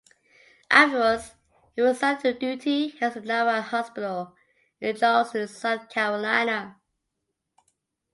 Afterwards, he was assigned to duty at the Naval Hospital in Charleston, South Carolina.